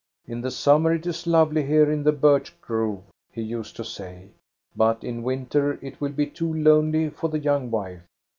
* In the summer it is lovely here in the birch grove,* he used to say ;* but in winter it will be too lonely for the young wife.